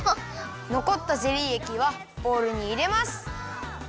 のこったゼリーえきはボウルにいれます。